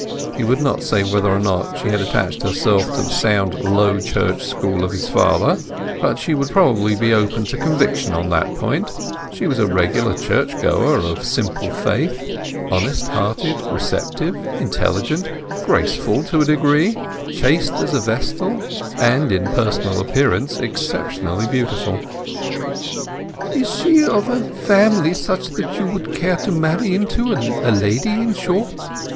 He would not say whether or not she had attached herself to the sound Low Church School of his father; but she would probably be open to conviction on that point; she was a regular church goer of simple faith; honest hearted, receptive, intelligent, graceful to a degree, chaste as a vestal, and, in personal appearance, exceptionally beautiful. "Is she of a family such as you would care to marry into—a lady, in short?"